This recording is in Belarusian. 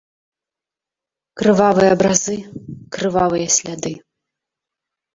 Крывавыя абразы, крывавыя сляды.